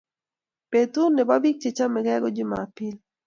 Betut nepo bik che chome ke ko jumapili